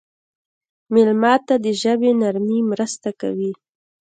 مېلمه ته د ژبې نرمي مرسته کوي.